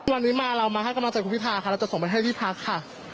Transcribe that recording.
วันนี้มาเรามาให้กำลังใจคุณพิธาค่ะเราจะส่งไปให้ที่พักค่ะ